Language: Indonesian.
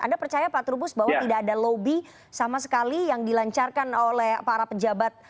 anda percaya pak trubus bahwa tidak ada lobby sama sekali yang dilancarkan oleh para pejabat